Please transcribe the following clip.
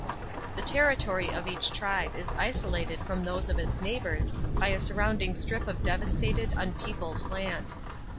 The territory of each tribe is isolated from those of its neighbours by a surrounding strip of devastated unpeopled land.